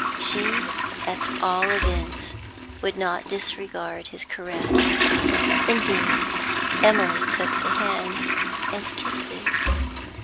She, at all events, would not disregard his caress; indeed, Emily took the hand and kissed it.